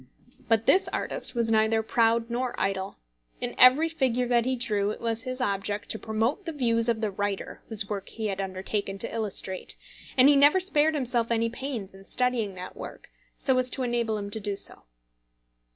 But this artist was neither proud nor idle. In every figure that he drew it was his object to promote the views of the writer whose work he had undertaken to illustrate, and he never spared himself any pains in studying that work, so as to enable him to do so.